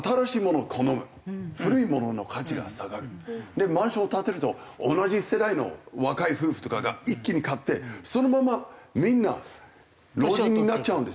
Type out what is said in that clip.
でマンションを建てると同じ世代の若い夫婦とかが一気に買ってそのままみんな老人になっちゃうんですよ。